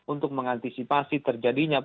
untuk mengantisipasi terjadinya